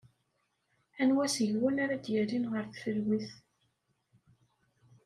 Anwa seg-wen ara d-yalin ɣer tfelwit?